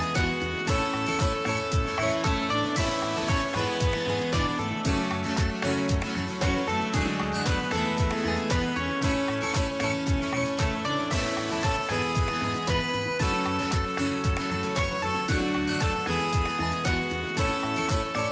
โปรดติดตามตอนต่อไป